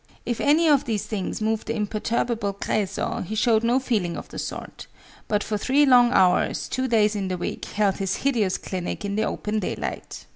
If any of these things moved the imperturbable Créso, he showed no feeling of the sort; but for three long hours, two days in the week, held his hideous clinic in the open daylight.